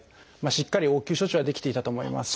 しっかり応急処置はできていたと思います。